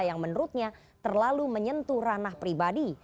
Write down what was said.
yang menurutnya terlalu menyentuh ranah pribadi